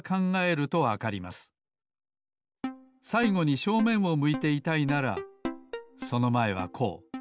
さいごに正面を向いていたいならそのまえはこう。